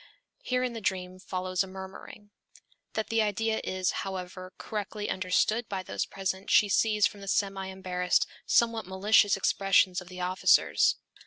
Here in the dream follows a murmuring. That the idea is, however, correctly understood by those present she sees from the semi embarrassed, somewhat malicious expressions of the officers.